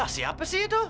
siapa sih itu